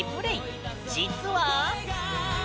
実は。